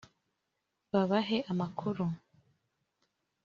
babahe amakuru